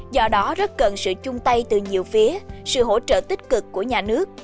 do đó rất cần sự chung tay từ nhiều phía sự hỗ trợ tích cực của nhà nước